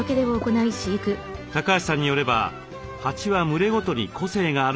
橋さんによれば蜂は群れごとに個性があるとのこと。